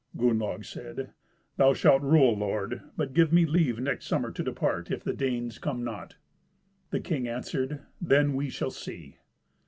Gunnlaug said, "Thou shalt rule, lord; but give me leave next summer to depart, if the Danes come not." The king answered, "Then we shall see."